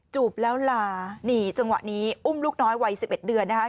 จูบแล้วลานี่จังหวะนี้อุ้มลูกน้อยวัย๑๑เดือนนะคะ